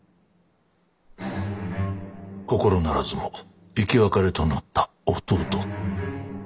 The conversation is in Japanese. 心ならずも生き別れとなった弟。